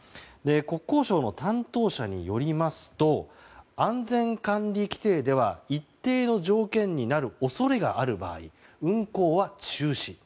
国交省の担当者によりますと安全管理規程では一定の条件になる恐れがある場合、運航は中止。